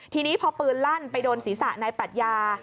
ทีนี้พอปืนลั่นไปโดนศีรษะนายปรัชญา